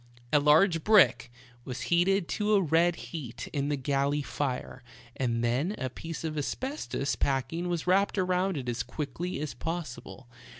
A large brick was heated to a red heat in the galley fire, and then a piece of asbestos packing was wrapped around it as quickly as possible.